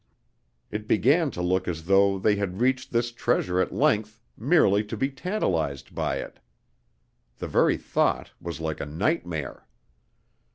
It began to look as though they had reached this treasure at length merely to be tantalized by it. The very thought was like a nightmare.